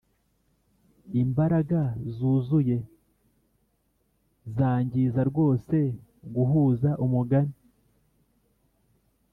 imbaraga zuzuye zangiza rwose guhuza umugani